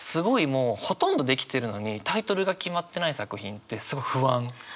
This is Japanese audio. もうほとんど出来てるのにタイトルが決まってない作品ってすごい不安。